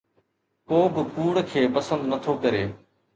ڪو به ڪوڙ کي پسند نٿو ڪري